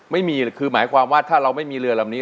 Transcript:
ไม่มีคือหมายความว่าถ้าเราไม่มีเรือลำนี้